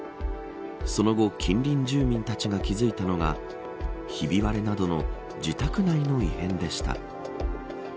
その後、近隣住民たちが気付いたのがひび割れなどの自宅内の異変でした。